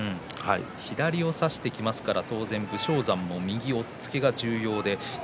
左を差してきますから当然武将山も右押っつけが重要です。